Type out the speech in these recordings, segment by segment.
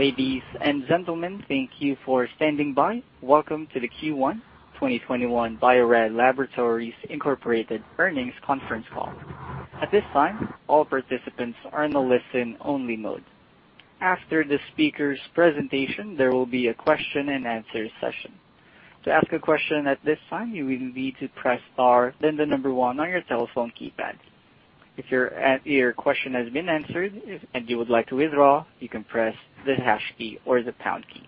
Ladies and gentlemen, thank you for standing by. Welcome to the Q1 2021 Bio-Rad Laboratories Incorporated earnings conference call. At this time, all participants are in the listen-only mode. After the speaker's presentation, there will be a question-and-answer session. To ask a question at this time, you will need to press star, then the number one on your telephone keypad. If your question has been answered and you would like to withdraw, you can press the hash key or the pound key.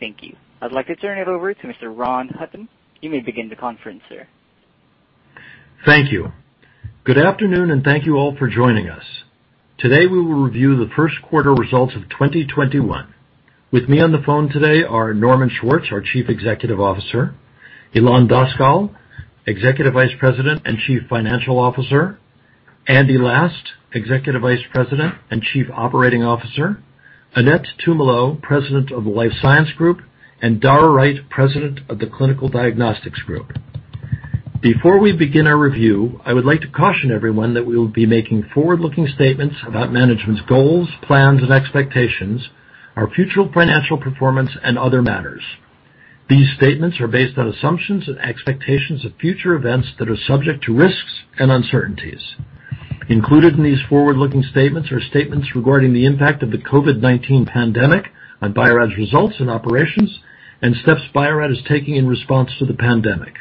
Thank you. I'd like to turn it over to Mr. Ron Hutton. You may begin the conference, sir. Thank you. Good afternoon, and thank you all for joining us. Today, we will review the first quarter results of 2021. With me on the phone today are Norman Schwartz, our Chief Executive Officer, Ilan Daskal, Executive Vice President and Chief Financial Officer, Andy Last, Executive Vice President and Chief Operating Officer, Annette Tumolo, President of the Life Science Group, and Dara Wright, President of the Clinical Diagnostics Group. Before we begin our review, I would like to caution everyone that we will be making forward-looking statements about management's goals, plans, and expectations, our future financial performance, and other matters. These statements are based on assumptions and expectations of future events that are subject to risks and uncertainties. Included in these forward-looking statements are statements regarding the impact of the COVID-19 pandemic on Bio-Rad's results and operations and steps Bio-Rad is taking in response to the pandemic.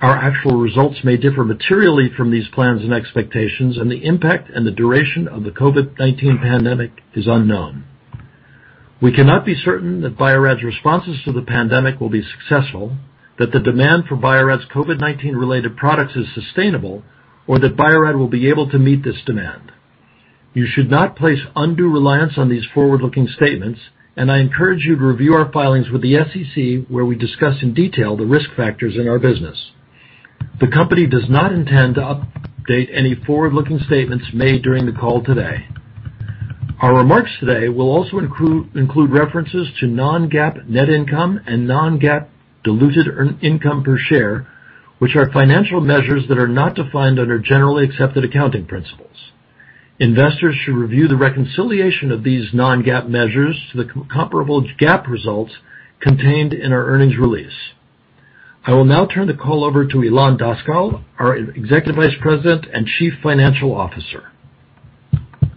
Our actual results may differ materially from these plans and expectations, and the impact and the duration of the COVID-19 pandemic is unknown. We cannot be certain that Bio-Rad's responses to the pandemic will be successful, that the demand for Bio-Rad's COVID-19-related products is sustainable, or that Bio-Rad will be able to meet this demand. You should not place undue reliance on these forward-looking statements, and I encourage you to review our filings with the SEC, where we discuss in detail the risk factors in our business. The company does not intend to update any forward-looking statements made during the call today. Our remarks today will also include references to non-GAAP net income and non-GAAP diluted earnings per share, which are financial measures that are not defined under generally accepted accounting principles. Investors should review the reconciliation of these non-GAAP measures to the comparable GAAP results contained in our earnings release. I will now turn the call over to Ilan Daskal, our Executive Vice President and Chief Financial Officer.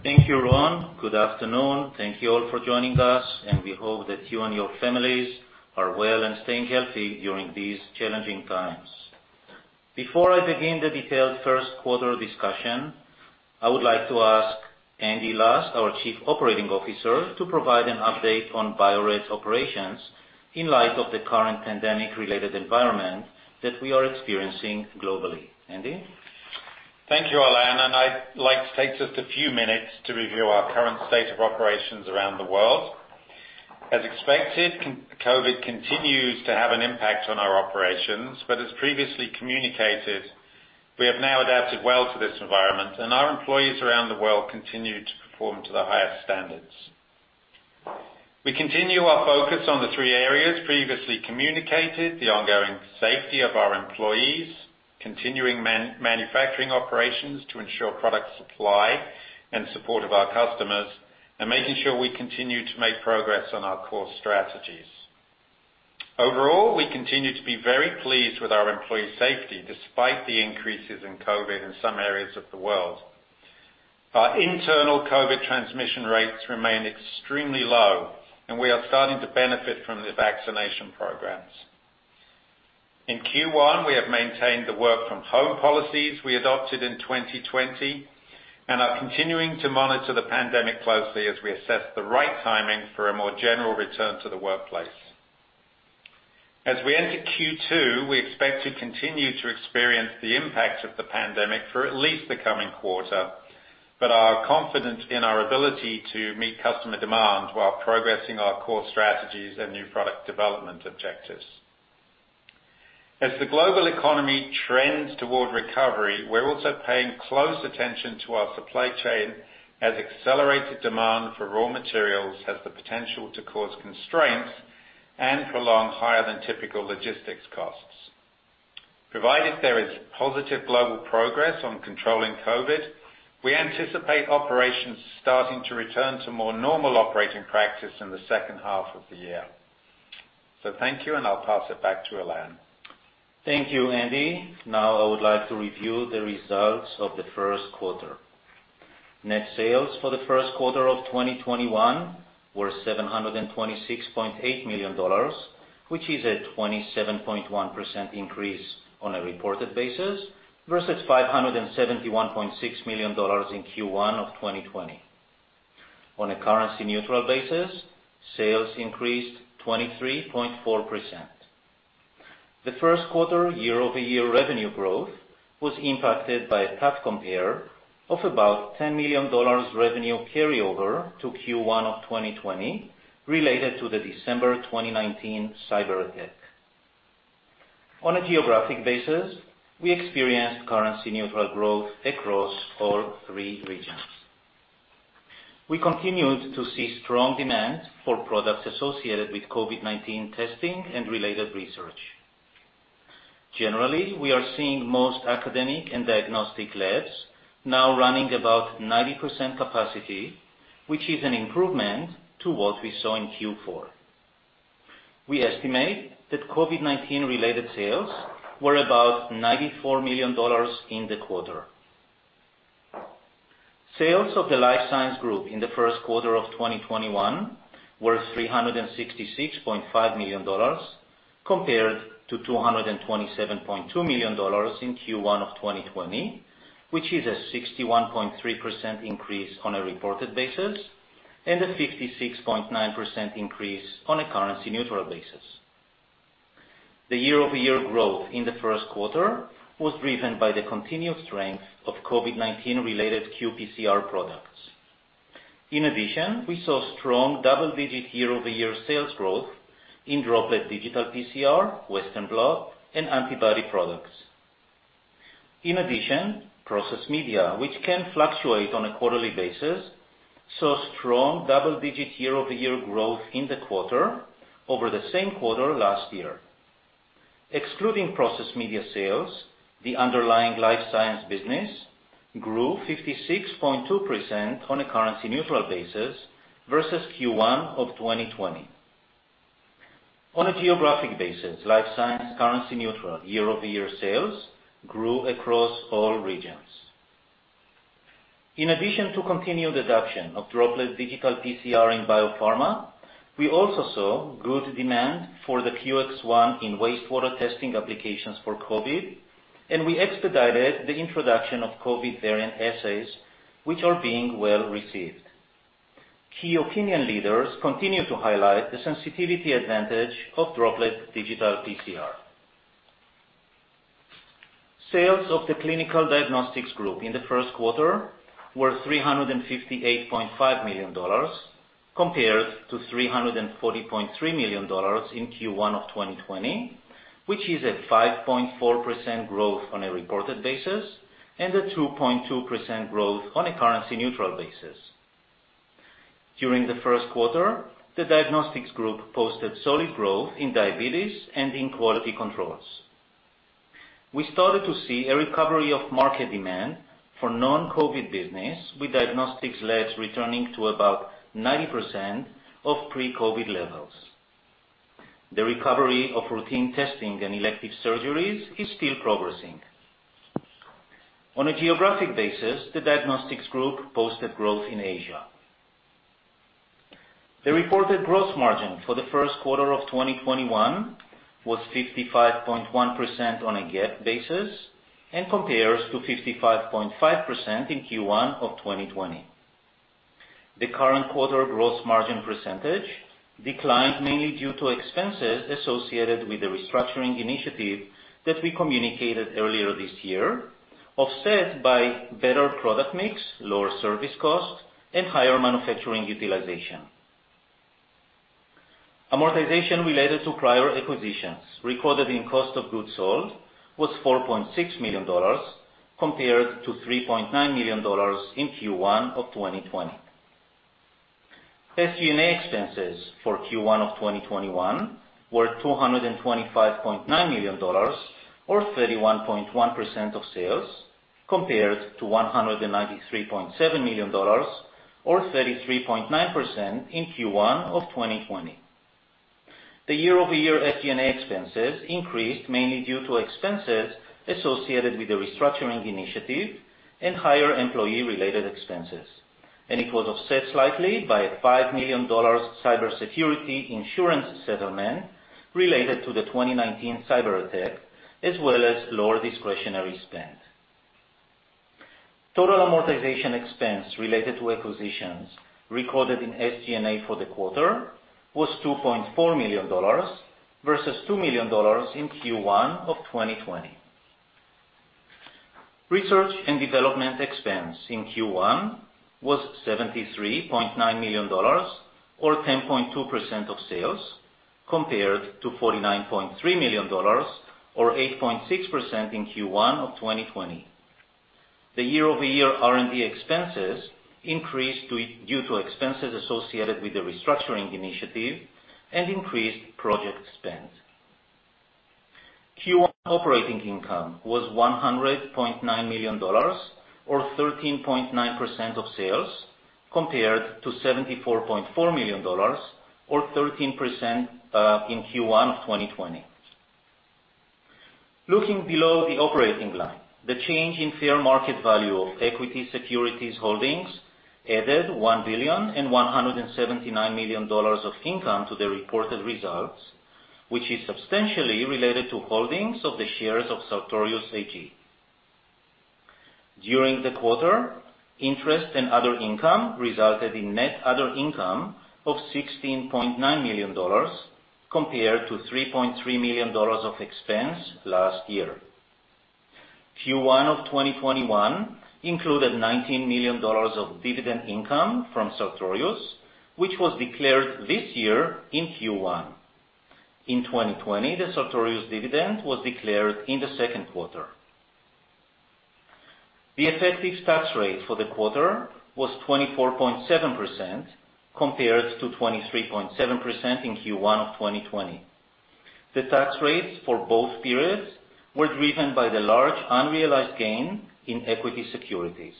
Thank you, Ron. Good afternoon. Thank you all for joining us, and we hope that you and your families are well and staying healthy during these challenging times. Before I begin the detailed first quarter discussion, I would like to ask Andy Last, our Chief Operating Officer, to provide an update on Bio-Rad's operations in light of the current pandemic-related environment that we are experiencing globally. Andy? Thank you, Ilan. And I'd like to take just a few minutes to review our current state of operations around the world. As expected, COVID continues to have an impact on our operations, but as previously communicated, we have now adapted well to this environment, and our employees around the world continue to perform to the highest standards. We continue our focus on the three areas previously communicated: the ongoing safety of our employees, continuing manufacturing operations to ensure product supply and support of our customers, and making sure we continue to make progress on our core strategies. Overall, we continue to be very pleased with our employee safety despite the increases in COVID in some areas of the world. Our internal COVID transmission rates remain extremely low, and we are starting to benefit from the vaccination programs. In Q1, we have maintained the work-from-home policies we adopted in 2020 and are continuing to monitor the pandemic closely as we assess the right timing for a more general return to the workplace. As we enter Q2, we expect to continue to experience the impact of the pandemic for at least the coming quarter, but are confident in our ability to meet customer demand while progressing our core strategies and new product development objectives. As the global economy trends toward recovery, we're also paying close attention to our supply chain as accelerated demand for raw materials has the potential to cause constraints and prolong higher-than-typical logistics costs. Provided there is positive global progress on controlling COVID, we anticipate operations starting to return to more normal operating practice in the second half of the year, so thank you, and I'll pass it back to Ilan. Thank you, Andy. Now, I would like to review the results of the first quarter. Net sales for the first quarter of 2021 were $726.8 million, which is a 27.1% increase on a reported basis versus $571.6 million in Q1 of 2020. On a currency-neutral basis, sales increased 23.4%. The first quarter year-over-year revenue growth was impacted by a tough compare of about $10 million revenue carryover to Q1 of 2020 related to the December 2019 cyber attack. On a geographic basis, we experienced currency-neutral growth across all three regions. We continued to see strong demand for products associated with COVID-19 testing and related research. Generally, we are seeing most academic and diagnostic labs now running about 90% capacity, which is an improvement to what we saw in Q4. We estimate that COVID-19-related sales were about $94 million in the quarter. Sales of the Life Science Group in the first quarter of 2021 were $366.5 million compared to $227.2 million in Q1 of 2020, which is a 61.3% increase on a reported basis and a 56.9% increase on a currency-neutral basis. The year-over-year growth in the first quarter was driven by the continued strength of COVID-19-related qPCR products. In addition, we saw strong double-digit year-over-year sales growth in Droplet Digital PCR, Western blot, and antibody products. In addition, process media, which can fluctuate on a quarterly basis, saw strong double-digit year-over-year growth in the quarter over the same quarter last year. Excluding process media sales, the underlying life science business grew 56.2% on a currency-neutral basis versus Q1 of 2020. On a geographic basis, life science currency-neutral year-over-year sales grew across all regions. In addition to continued adoption of Droplet Digital PCR in biopharma, we also saw good demand for the QX ONE in wastewater testing applications for COVID, and we expedited the introduction of COVID variant assays, which are being well received. Key opinion leaders continue to highlight the sensitivity advantage of Droplet Digital PCR. Sales of the Clinical Diagnostics Group in the first quarter were $358.5 million compared to $340.3 million in Q1 of 2020, which is a 5.4% growth on a reported basis and a 2.2% growth on a currency-neutral basis. During the first quarter, the Diagnostics Group posted solid growth in diabetes and in quality controls. We started to see a recovery of market demand for non-COVID business, with diagnostics labs returning to about 90% of pre-COVID levels. The recovery of routine testing and elective surgeries is still progressing. On a geographic basis, the Diagnostics Group posted growth in Asia. The reported gross margin for the first quarter of 2021 was 55.1% on a GAAP basis and compares to 55.5% in Q1 of 2020. The current quarter gross margin percentage declined mainly due to expenses associated with the restructuring initiative that we communicated earlier this year, offset by better product mix, lower service cost, and higher manufacturing utilization. Amortization related to prior acquisitions recorded in cost of goods sold was $4.6 million compared to $3.9 million in Q1 of 2020. SG&A expenses for Q1 of 2021 were $225.9 million or 31.1% of sales compared to $193.7 million or 33.9% in Q1 of 2020. The year-over-year SG&A expenses increased mainly due to expenses associated with the restructuring initiative and higher employee-related expenses, and it was offset slightly by a $5 million cybersecurity insurance settlement related to the 2019 cyber attack, as well as lower discretionary spend. Total amortization expense related to acquisitions recorded in SG&A for the quarter was $2.4 million versus $2 million in Q1 of 2020. Research and development expense in Q1 was $73.9 million or 10.2% of sales compared to $49.3 million or 8.6% in Q1 of 2020. The year-over-year R&D expenses increased due to expenses associated with the restructuring initiative and increased project spend. Q1 operating income was $100.9 million or 13.9% of sales compared to $74.4 million or 13% in Q1 of 2020. Looking below the operating line, the change in fair market value of equity securities holdings added $1 billion and $179 million of income to the reported results, which is substantially related to holdings of the shares of Sartorius AG. During the quarter, interest and other income resulted in net other income of $16.9 million compared to $3.3 million of expense last year. Q1 of 2021 included $19 million of dividend income from Sartorius, which was declared this year in Q1. In 2020, the Sartorius dividend was declared in the second quarter. The effective tax rate for the quarter was 24.7% compared to 23.7% in Q1 of 2020. The tax rates for both periods were driven by the large unrealized gain in equity securities.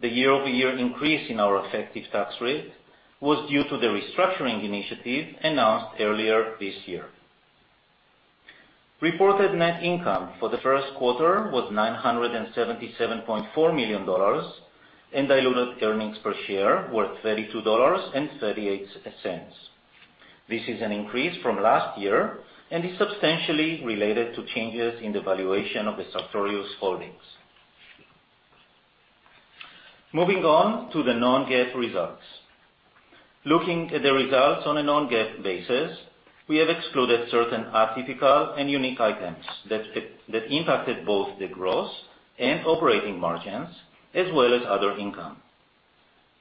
The year-over-year increase in our effective tax rate was due to the restructuring initiative announced earlier this year. Reported net income for the first quarter was $977.4 million, and diluted earnings per share were $32.38. This is an increase from last year and is substantially related to changes in the valuation of the Sartorius holdings. Moving on to the non-GAAP results. Looking at the results on a non-GAAP basis, we have excluded certain atypical and unique items that impacted both the gross and operating margins, as well as other income.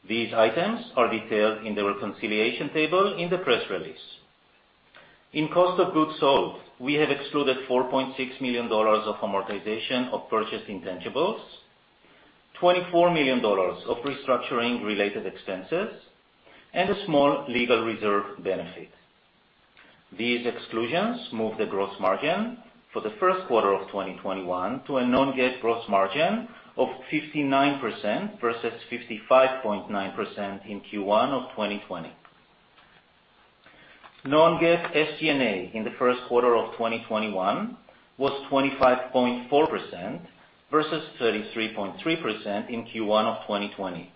These items are detailed in the reconciliation table in the press release. In cost of goods sold, we have excluded $4.6 million of amortization of purchased intangibles, $24 million of restructuring-related expenses, and a small legal reserve benefit. These exclusions move the gross margin for the first quarter of 2021 to a non-GAAP gross margin of 59% versus 55.9% in Q1 of 2020. Non-GAAP SG&A in the first quarter of 2021 was 25.4% versus 33.3% in Q1 of 2020.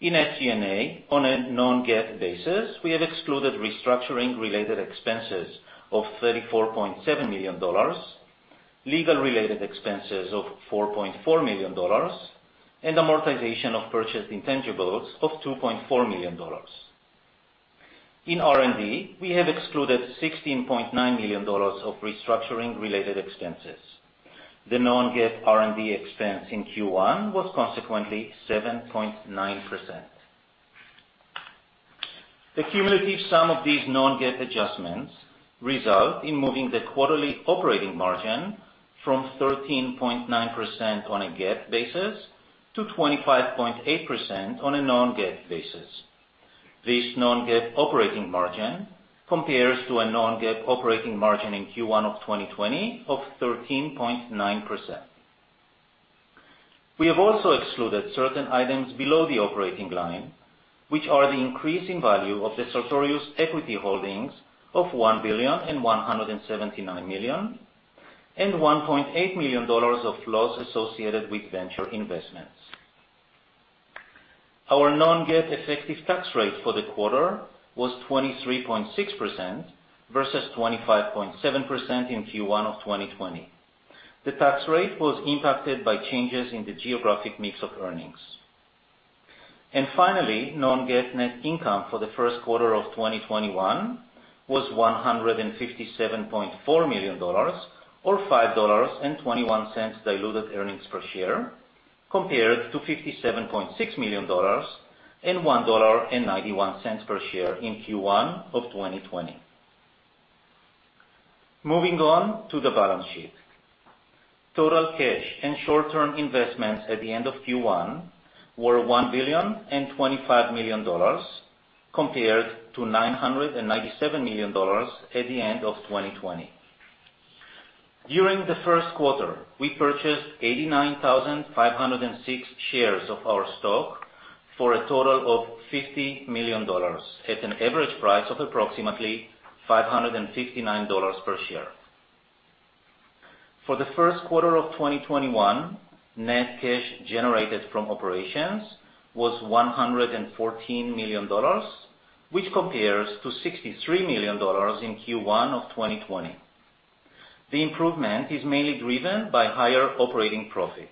In SG&A, on a non-GAAP basis, we have excluded restructuring-related expenses of $34.7 million, legal-related expenses of $4.4 million, and amortization of purchased intangibles of $2.4 million. In R&D, we have excluded $16.9 million of restructuring-related expenses. The non-GAAP R&D expense in Q1 was consequently 7.9%. The cumulative sum of these non-GAAP adjustments results in moving the quarterly operating margin from 13.9% on a GAAP basis to 25.8% on a non-GAAP basis. This non-GAAP operating margin compares to a non-GAAP operating margin in Q1 of 2020 of 13.9%. We have also excluded certain items below the operating line, which are the increase in value of the Sartorius equity holdings of $1 billion and $179 million, and $1.8 million of loss associated with venture investments. Our non-GAAP effective tax rate for the quarter was 23.6% versus 25.7% in Q1 of 2020. The tax rate was impacted by changes in the geographic mix of earnings, and finally, non-GAAP net income for the first quarter of 2021 was $157.4 million or $5.21 diluted earnings per share compared to $57.6 million and $1.91 per share in Q1 of 2020. Moving on to the balance sheet. Total cash and short-term investments at the end of Q1 were $1 billion and $25 million compared to $997 million at the end of 2020. During the first quarter, we purchased 89,506 shares of our stock for a total of $50 million at an average price of approximately $559 per share. For the first quarter of 2021, net cash generated from operations was $114 million, which compares to $63 million in Q1 of 2020. The improvement is mainly driven by higher operating profits.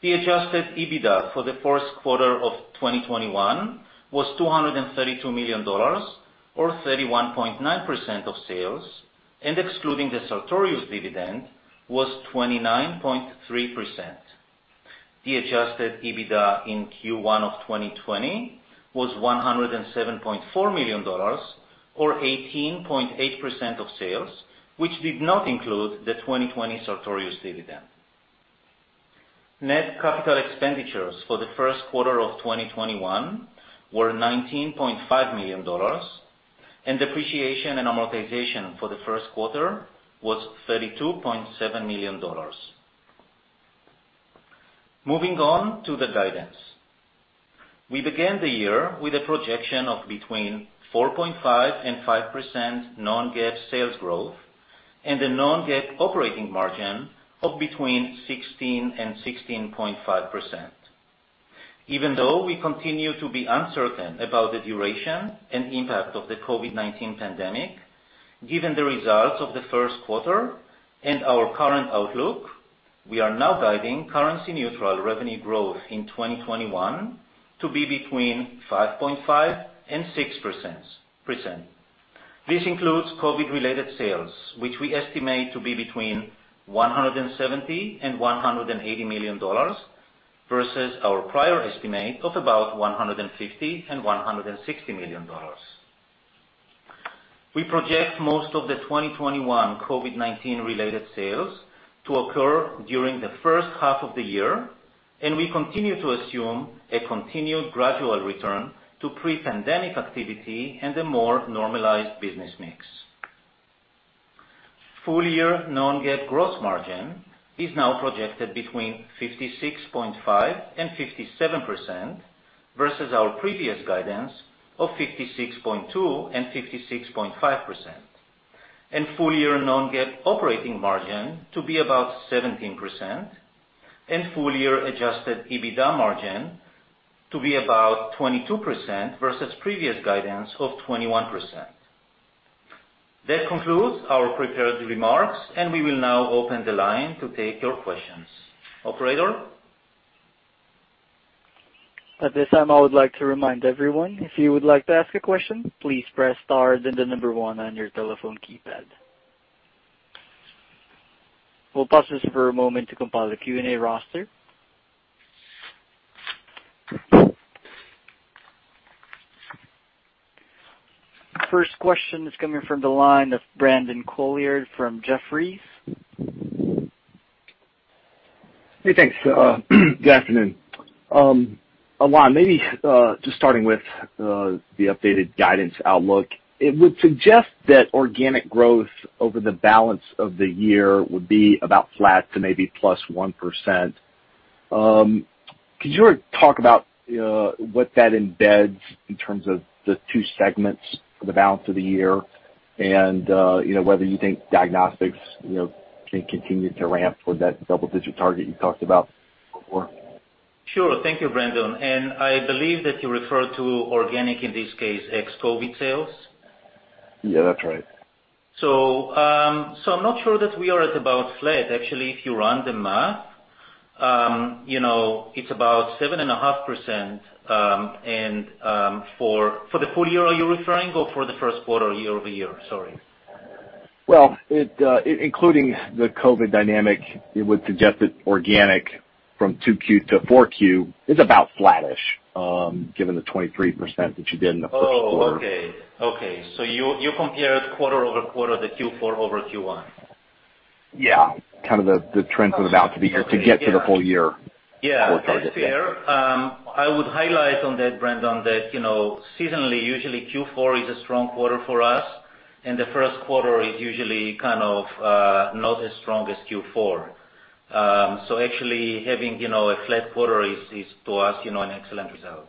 The adjusted EBITDA for the first quarter of 2021 was $232 million or 31.9% of sales, and excluding the Sartorius dividend, was 29.3%. The adjusted EBITDA in Q1 of 2020 was $107.4 million or 18.8% of sales, which did not include the 2020 Sartorius dividend. Net capital expenditures for the first quarter of 2021 were $19.5 million, and depreciation and amortization for the first quarter was $32.7 million. Moving on to the guidance. We began the year with a projection of between 4.5% and 5% non-GAAP sales growth and a non-GAAP operating margin of between 16% and 16.5%. Even though we continue to be uncertain about the duration and impact of the COVID-19 pandemic, given the results of the first quarter and our current outlook, we are now guiding currency-neutral revenue growth in 2021 to be between 5.5% and 6%. This includes COVID-related sales, which we estimate to be between $170 and $180 million versus our prior estimate of about $150 and $160 million. We project most of the 2021 COVID-19-related sales to occur during the first half of the year, and we continue to assume a continued gradual return to pre-pandemic activity and a more normalized business mix. Full-year non-GAAP gross margin is now projected between 56.5% and 57% versus our previous guidance of 56.2% and 56.5%, and full-year non-GAAP operating margin to be about 17%, and full-year Adjusted EBITDA margin to be about 22% versus previous guidance of 21%. That concludes our prepared remarks, and we will now open the line to take your questions. Operator. At this time, I would like to remind everyone, if you would like to ask a question, please press stars and the number one on your telephone keypad. We'll pause this for a moment to compile the Q&A roster. First question is coming from the line of Brandon Couillard from Jefferies. Hey, thanks. Good afternoon. Ilan, maybe just starting with the updated guidance outlook, it would suggest that organic growth over the balance of the year would be about flat to maybe plus 1%. Could you talk about what that embeds in terms of the two segments for the balance of the year and whether you think diagnostics can continue to ramp for that double-digit target you talked about before? Sure. Thank you, Brandon. And I believe that you referred to organic, in this case, ex-COVID sales. Yeah, that's right. So I'm not sure that we are at about flat. Actually, if you run the math, it's about 7.5%. And for the full year, are you referring or for the first quarter year-over-year? Sorry. Well, including the COVID dynamic, it would suggest that organic from 2Q to 4Q is about flattish given the 23% that you did in the first quarter. Oh, okay. Okay. So you compared quarter over quarter, the Q4 over Q1. Yeah. Kind of the trends are about to be here to get to the full-year quarter target. Yeah. Fair. I would highlight on that, Brandon, that seasonally, usually Q4 is a strong quarter for us, and the first quarter is usually kind of not as strong as Q4. So actually having a flat quarter is, to us, an excellent result.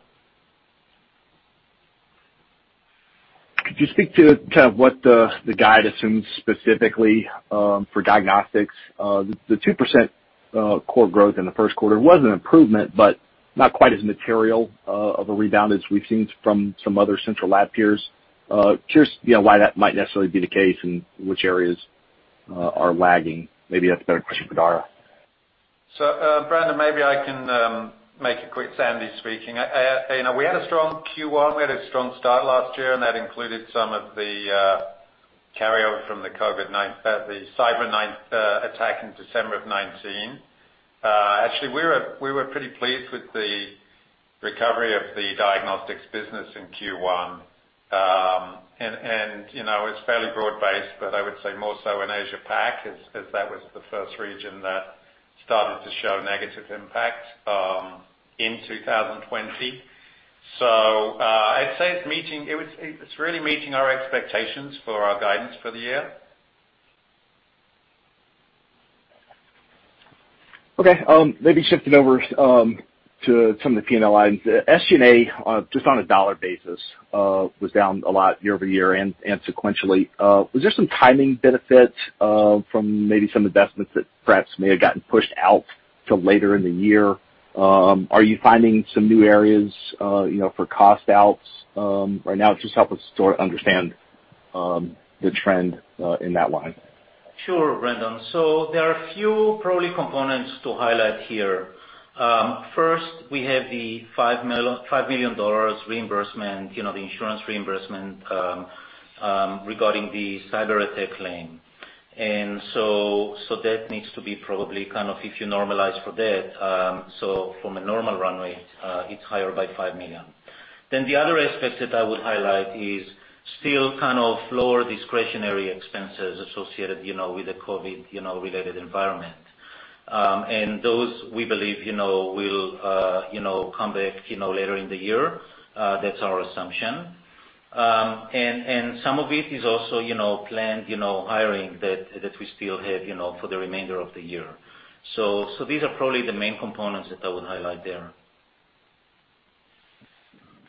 Could you speak to kind of what the guide assumes specifically for diagnostics? The 2% core growth in the first quarter was an improvement, but not quite as material of a rebound as we've seen from some other central lab peers. Curious why that might necessarily be the case and which areas are lagging. Maybe that's a better question for Dara. So, Brandon, maybe I can make a quick Andy speaking. We had a strong Q1. We had a strong start last year, and that included some of the carryover from the COVID-19, the cyber attack in December of 2019. Actually, we were pretty pleased with the recovery of the diagnostics business in Q1, and it's fairly broad-based, but I would say more so in Asia-Pac, as that was the first region that started to show negative impact in 2020, so I'd say it's really meeting our expectations for our guidance for the year. Okay. Maybe shifting over to some of the P&L lines. SG&A, just on a dollar basis, was down a lot year-over-year and sequentially. Was there some timing benefit from maybe some investments that perhaps may have gotten pushed out to later in the year? Are you finding some new areas for cost outs? Right now, just help us sort of understand the trend in that line. Sure, Brandon. So there are a few probable components to highlight here. First, we have the $5 million reimbursement, the insurance reimbursement regarding the cyber attack claim. And so that needs to be probably kind of, if you normalize for that, so from a normal run rate, it's higher by $5 million. Then the other aspects that I would highlight is still kind of lower discretionary expenses associated with the COVID-related environment. And those, we believe, will come back later in the year. That's our assumption. And some of it is also planned hiring that we still have for the remainder of the year. So these are probably the main components that I would highlight there.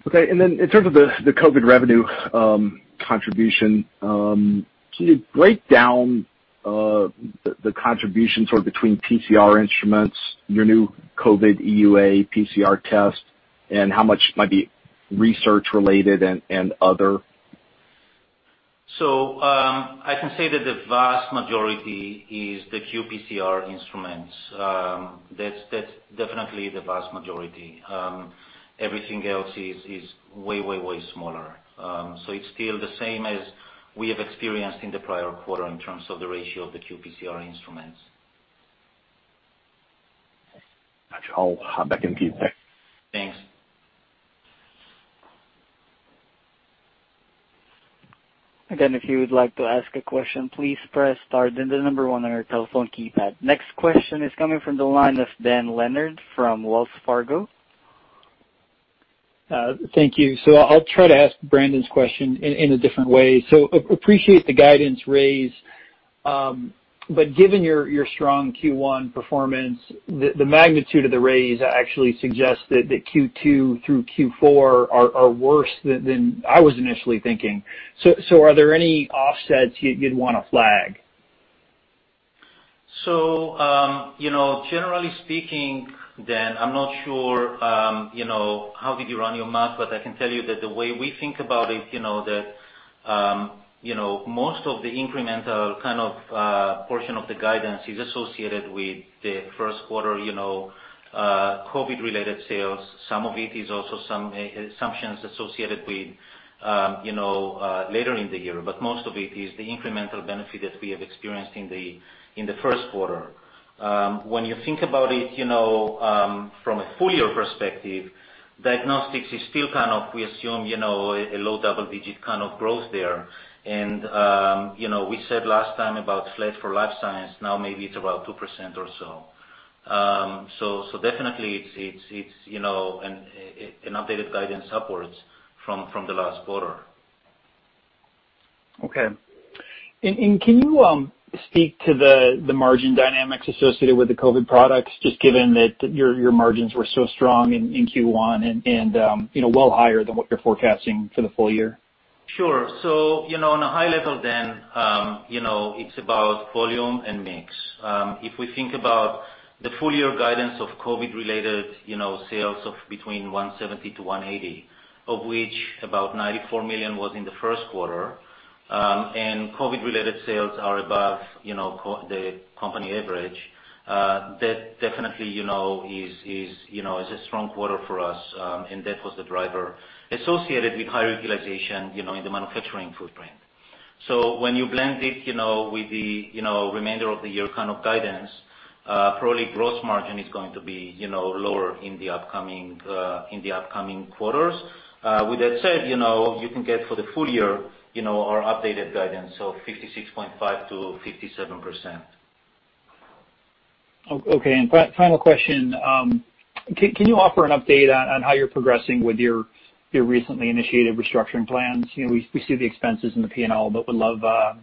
Okay. And then in terms of the COVID revenue contribution, can you break down the contribution sort of between PCR instruments, your new COVID EUA PCR test, and how much might be research-related and other? So I can say that the vast majority is the qPCR instruments. That's definitely the vast majority. Everything else is way, way, way smaller. So it's still the same as we have experienced in the prior quarter in terms of the ratio of the qPCR instruments. Gotcha. I'll hop back in a few seconds. Thanks. Again, if you would like to ask a question, please press star and the number one on your telephone keypad. Next question is coming from the line of Dan Leonard from Wells Fargo. Thank you. So I'll try to ask Brandon's question in a different way. So appreciate the guidance raise. But given your strong Q1 performance, the magnitude of the raise actually suggests that Q2 through Q4 are worse than I was initially thinking. So are there any offsets you'd want to flag? So generally speaking, Dan, I'm not sure how did you run your math, but I can tell you that the way we think about it, that most of the incremental kind of portion of the guidance is associated with the first quarter COVID-related sales. Some of it is also some assumptions associated with later in the year, but most of it is the incremental benefit that we have experienced in the first quarter. When you think about it from a full-year perspective, diagnostics is still kind of, we assume, a low double-digit kind of growth there. And we said last time about flat for life science, now maybe it's about 2% or so. So definitely, it's an updated guidance upwards from the last quarter. Okay. Can you speak to the margin dynamics associated with the COVID products, just given that your margins were so strong in Q1 and well higher than what you're forecasting for the full year? Sure. On a high level, Dan, it's about volume and mix. If we think about the full-year guidance of COVID-related sales of between $170 million-$180 million, of which about $94 million was in the first quarter, and COVID-related sales are above the company average, that definitely is a strong quarter for us. That was the driver associated with higher utilization in the manufacturing footprint. When you blend it with the remainder of the year kind of guidance, probably gross margin is going to be lower in the upcoming quarters. With that said, you can get for the full year our updated guidance of 56.5%-57%. Okay. And final question, can you offer an update on how you're progressing with your recently initiated restructuring plans? We see the expenses in the P&L, but would love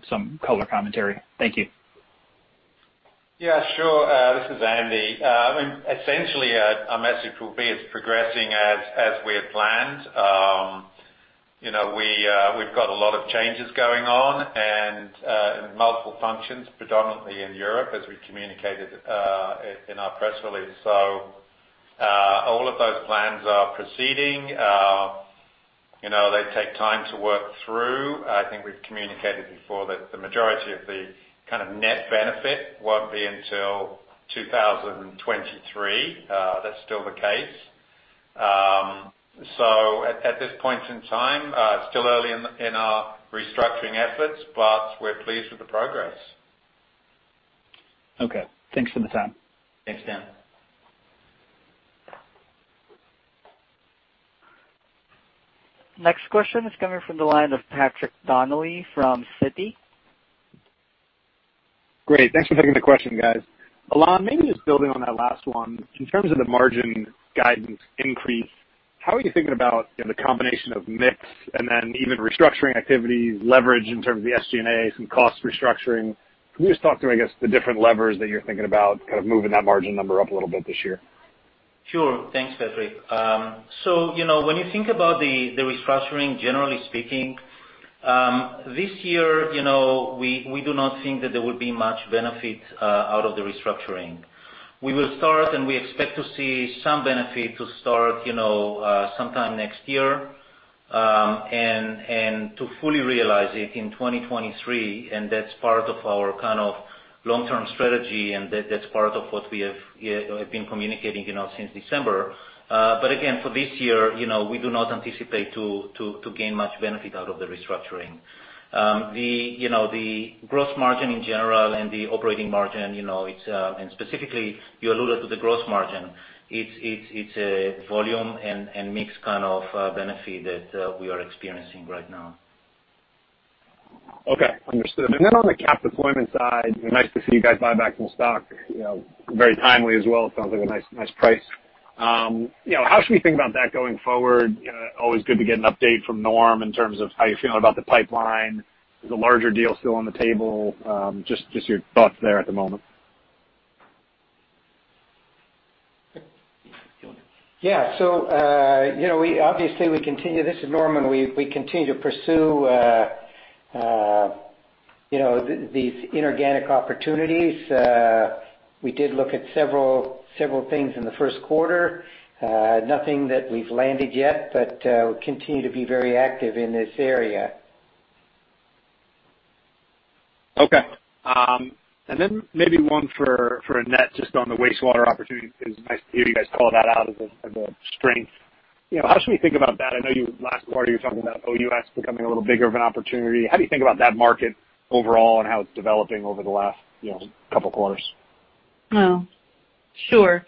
some color commentary. Thank you. Yeah, sure. This is Andy. Essentially, our message will be it's progressing as we had planned. We've got a lot of changes going on and multiple functions, predominantly in Europe, as we communicated in our press release. So all of those plans are proceeding. They take time to work through. I think we've communicated before that the majority of the kind of net benefit won't be until 2023. That's still the case. So at this point in time, still early in our restructuring efforts, but we're pleased with the progress. Okay. Thanks for the time. Thanks, Dan. Next question is coming from the line of Patrick Donnelly from Citi. Great. Thanks for taking the question, guys. Ilan, maybe just building on that last one. In terms of the margin guidance increase, how are you thinking about the combination of mix and then even restructuring activities, leverage in terms of the SG&A, some cost restructuring? Can you just talk through, I guess, the different levers that you're thinking about kind of moving that margin number up a little bit this year? Sure. Thanks, Patrick. So when you think about the restructuring, generally speaking, this year, we do not think that there will be much benefit out of the restructuring. We will start, and we expect to see some benefit to start sometime next year and to fully realize it in 2023. And that's part of our kind of long-term strategy, and that's part of what we have been communicating since December. But again, for this year, we do not anticipate to gain much benefit out of the restructuring. The gross margin in general and the operating margin, and specifically, you alluded to the gross margin. It's a volume and mix kind of benefit that we are experiencing right now. Okay. Understood. And then on the cap deployment side, nice to see you guys buy back some stock very timely as well. It sounds like a nice price. How should we think about that going forward? Always good to get an update from Norm in terms of how you're feeling about the pipeline. Is a larger deal still on the table? Just your thoughts there at the moment. Yeah. So obviously, we continue. This is Norm. And we continue to pursue these inorganic opportunities. We did look at several things in the first quarter. Nothing that we've landed yet, but we continue to be very active in this area. Okay. And then maybe one for Annette, just on the wastewater opportunity, because it's nice to hear you guys call that out as a strength. How should we think about that? I know last quarter, you were talking about OUS becoming a little bigger of an opportunity. How do you think about that market overall and how it's developing over the last couple of quarters? Sure.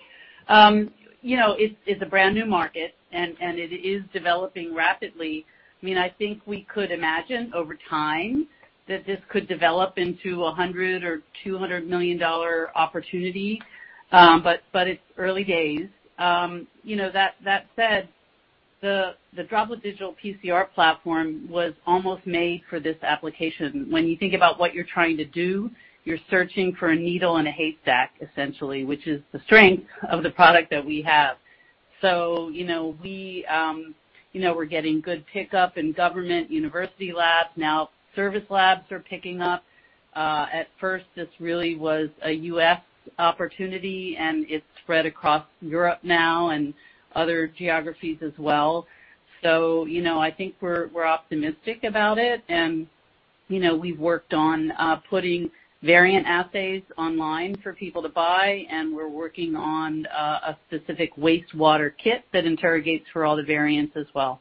It's a brand new market, and it is developing rapidly. I mean, I think we could imagine over time that this could develop into a $100 million or $200 million opportunity, but it's early days. That said, the Droplet Digital PCR platform was almost made for this application. When you think about what you're trying to do, you're searching for a needle in a haystack, essentially, which is the strength of the product that we have. So we were getting good pickup in government, university labs. Now, service labs are picking up. At first, this really was a U.S. opportunity, and it's spread across Europe now and other geographies as well. So I think we're optimistic about it. And we've worked on putting variant assays online for people to buy, and we're working on a specific wastewater kit that interrogates for all the variants as well.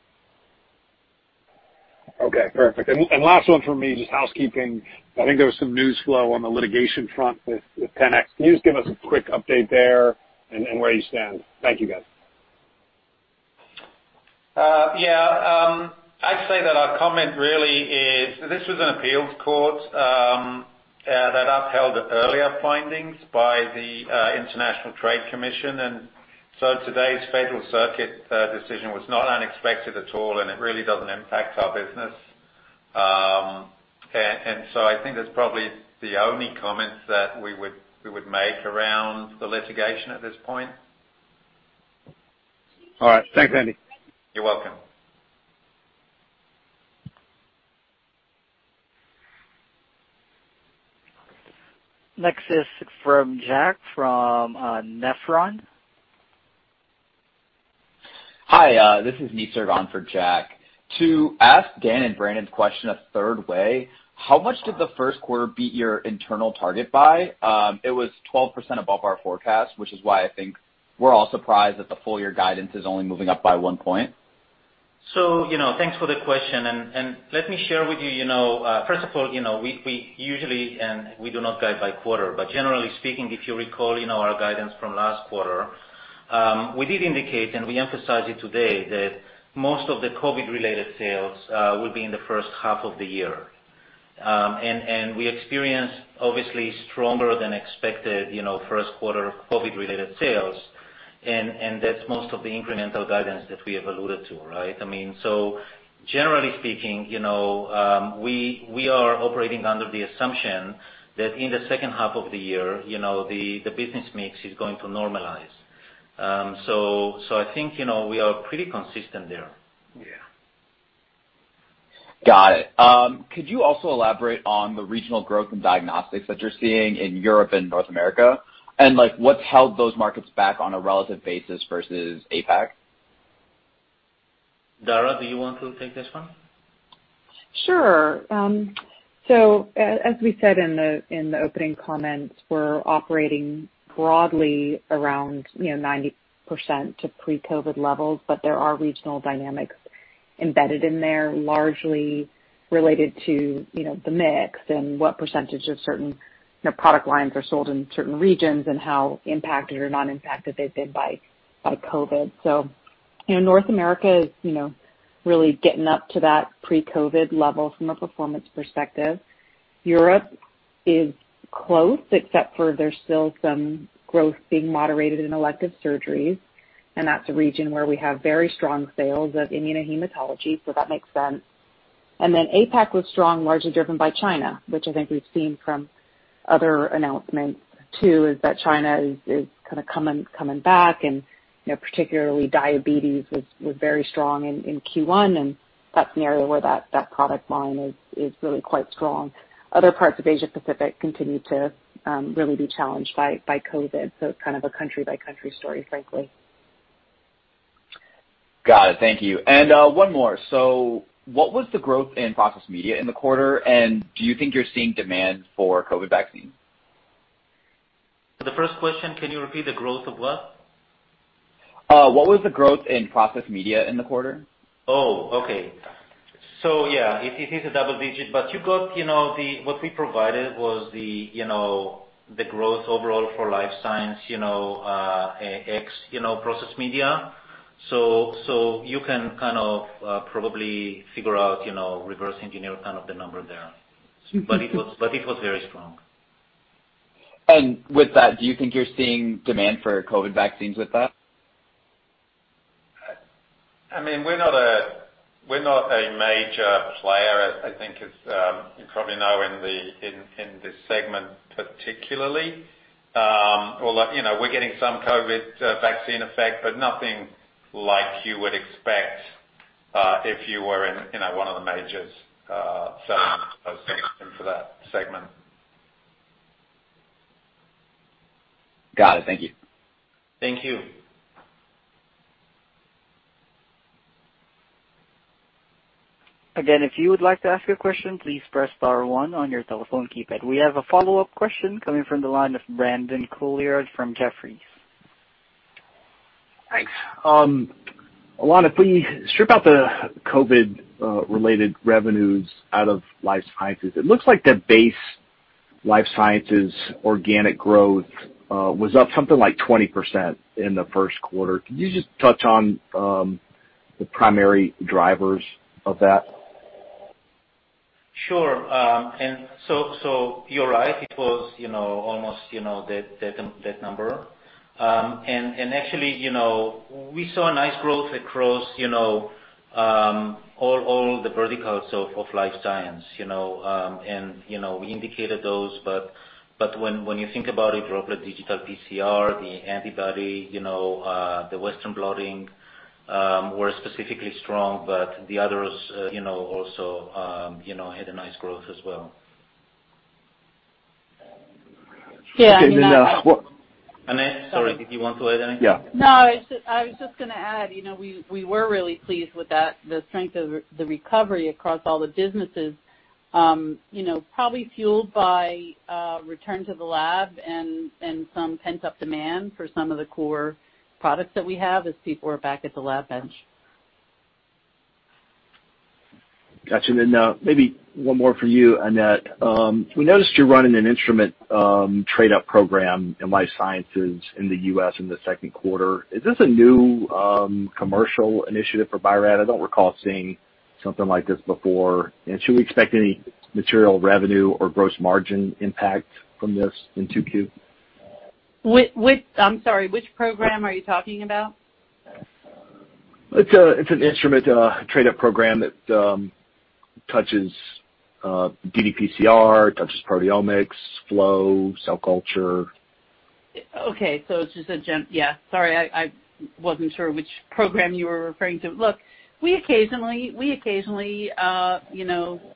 Okay. Perfect. And last one for me, just housekeeping. I think there was some news flow on the litigation front with 10x. Can you just give us a quick update there and where you stand? Thank you, guys. Yeah. I'd say that our comment really is this was an appeals court that upheld earlier findings by the International Trade Commission. So today's Federal Circuit decision was not unexpected at all, and it really doesn't impact our business. So I think that's probably the only comment that we would make around the litigation at this point. All right. Thanks, Andy. You're welcome. Next is from Jack from Nephron. Hi. This is Nesher on for Jack. To ask Dan and Brandon's question a third way, how much did the first quarter beat your internal target by? It was 12% above our forecast, which is why I think we're all surprised that the full-year guidance is only moving up by one point. So thanks for the question. And let me share with you, first of all, we usually, and we do not guide by quarter, but generally speaking, if you recall our guidance from last quarter, we did indicate, and we emphasize it today, that most of the COVID-related sales will be in the first half of the year. And we experienced, obviously, stronger than expected first quarter COVID-related sales, and that's most of the incremental guidance that we have alluded to, right? I mean, so generally speaking, we are operating under the assumption that in the second half of the year, the business mix is going to normalize. So I think we are pretty consistent there. Yeah. Got it. Could you also elaborate on the regional growth and diagnostics that you're seeing in Europe and North America? And what's held those markets back on a relative basis versus APAC? Dara, do you want to take this one? Sure. So as we said in the opening comments, we're operating broadly around 90% to pre-COVID levels, but there are regional dynamics embedded in there, largely related to the mix and what percentage of certain product lines are sold in certain regions and how impacted or non-impacted they've been by COVID. So North America is really getting up to that pre-COVID level from a performance perspective. Europe is close, except for there's still some growth being moderated in elective surgeries. And that's a region where we have very strong sales of immunohematology, so that makes sense. And then APAC was strong, largely driven by China, which I think we've seen from other announcements too, is that China is kind of coming back. And particularly, diabetes was very strong in Q1, and that's an area where that product line is really quite strong. Other parts of Asia-Pacific continue to really be challenged by COVID. So it's kind of a country-by-country story, frankly. Got it. Thank you. And one more. So what was the growth in process media in the quarter, and do you think you're seeing demand for COVID vaccines? The first question, can you repeat the growth of what? What was the growth in process media in the quarter? Oh, okay. So yeah, it is a double-digit, but you got the—what we provided was the growth overall for life science, ex process media. So you can kind of probably figure out reverse engineer kind of the number there. But it was very strong. And with that, do you think you're seeing demand for COVID vaccines with that? I mean, we're not a major player, I think, as you probably know, in this segment particularly. Although we're getting some COVID vaccine effect, but nothing like you would expect if you were in one of the major selling in for that segment. Got it. Thank you. Thank you. Again, if you would like to ask a question, please press star one on your telephone keypad. We have a follow-up question coming from the line of Brandon Couillard from Jefferies. Thanks. Ilan, if we strip out the COVID-related revenues out of life sciences, it looks like the base life sciences organic growth was up something like 20% in the first quarter. Could you just touch on the primary drivers of that? Sure, and so you're right. It was almost that number. And actually, we saw a nice growth across all the verticals of life science. And we indicated those, but when you think about it, Droplet Digital PCR, the antibody, the Western blotting were specifically strong, but the others also had a nice growth as well. Yeah. And then what? Annette, sorry, did you want to add anything? Yeah. No, I was just going to add we were really pleased with that. The strength of the recovery across all the businesses probably fueled by return to the lab and some pent-up demand for some of the core products that we have as people are back at the lab bench. Gotcha. And then maybe one more for you, Annette. We noticed you're running an instrument trade-up program in life sciences in the U.S. in the second quarter. Is this a new commercial initiative for Bio-Rad? I don't recall seeing something like this before. And should we expect any material revenue or gross margin impact from this in Q2? I'm sorry, which program are you talking about? It's an instrument trade-up program that touches ddPCR, touches proteomics, flow, cell culture. Okay. So it's just a, yeah. Sorry, I wasn't sure which program you were referring to. Look, we occasionally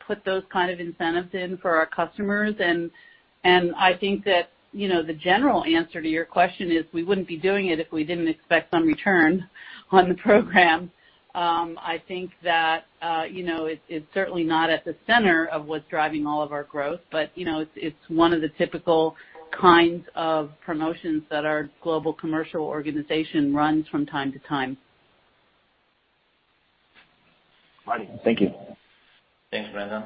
put those kind of incentives in for our customers. And I think that the general answer to your question is we wouldn't be doing it if we didn't expect some return on the program. I think that it's certainly not at the center of what's driving all of our growth, but it's one of the typical kinds of promotions that our global commercial organization runs from time to time. Right. Thank you. Thanks, Brandon.